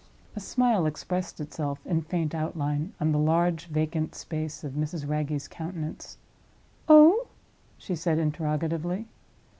A smile expressed itself (in faint outline) on the large vacant space of Mrs. Wragge's countenance. "Oh?" she said, interrogatively.